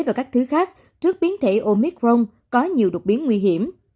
và các thứ khác trước biến thể omicron có nhiều đột biến nguy hiểm